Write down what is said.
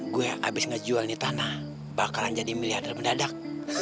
gue abis ngejual ini tanah bakalan jadi miliarder mendadak